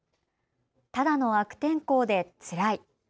ただの悪天候でつらい。